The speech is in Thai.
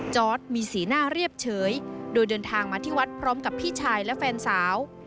มีสีหน้าเรียบเฉยโดยเดินทางมาที่วัดพร้อมกับพี่ชายและแฟนสาว